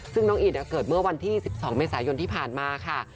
ซึ่งน้องอิดเกิดเมื่อวันที่๑๒เมษายนที่ผ่านมาค่ะ